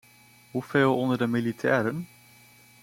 Hoeveel onder de militairen?